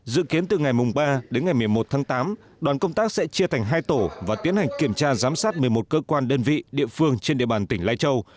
dự kiến từ ngày ba đến ngày một mươi một tháng tám đoàn công tác sẽ chia thành hai tổ và tiến hành kiểm tra giám sát một mươi một cơ quan đơn vị địa phương trên địa bàn tỉnh lai châu